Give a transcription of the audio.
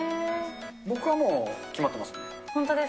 僕はもう決まってます。